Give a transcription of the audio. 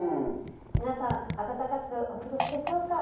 皆さん暖かくお過ごしでしょうか？